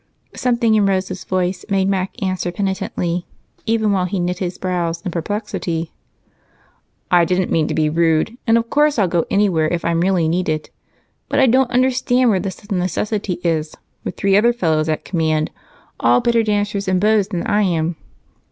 Something in Rose's voice made Mac answer penitently, even while he knit his brows in perplexity. "I don't mean to be rude, and of course I'll go anywhere if I'm really needed. But I don't understand where the sudden necessity is, with three other fellows at command, all better dancers and beaus than I am."